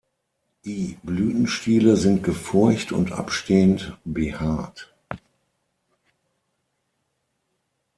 Die Blütenstiele sind gefurcht und abstehend behaart.